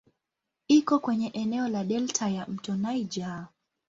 Iko kwenye eneo la delta ya "mto Niger".